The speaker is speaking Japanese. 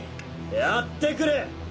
やってくれ！